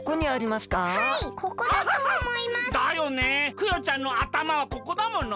クヨちゃんのあたまはここだもの。